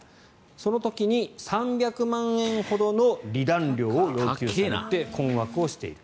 その時に３００万円ほどの離檀料を要求されて困惑をしている。